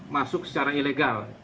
masuk secara ilegal